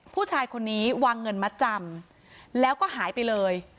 ผู้ชายคนนี้วางเงินมาจำแล้วก็หายไปเลย